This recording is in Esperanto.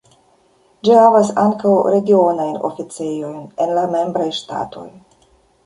Ĝi havas ankaŭ regionajn oficejojn en la membraj ŝtatoj.